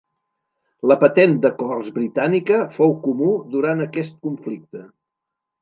La patent de cors britànica fou comú durant aquest conflicte.